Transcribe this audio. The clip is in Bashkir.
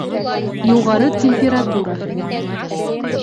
Юғары температура